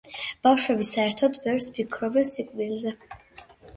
ბავშვები საერთოდ ბევრს ფიქრობენ სიკვდილზე